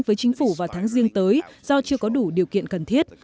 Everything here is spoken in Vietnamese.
với chính phủ vào tháng riêng tới do chưa có đủ điều kiện cần thiết